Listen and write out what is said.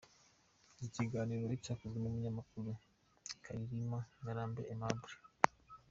Iki kiganiro cyakozwe n’Umunyamakuru Karirima Ngarambe Aimable.